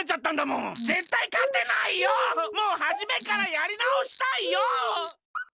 もうはじめからやりなおしたいよ！